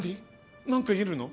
何かいるの！？